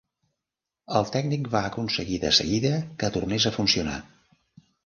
El tècnic va aconseguir de seguida que tornés a funcionar.